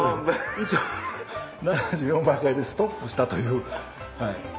一応７４万回でストップしたという。